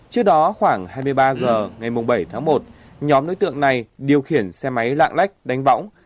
trước đó khoảng hai mươi ba h ngày bảy tháng một nhóm đối tượng này điều khiển xe máy lạng lách đánh võng